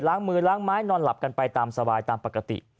มือล้างไม้นอนหลับกันไปตามสบายตามปกติ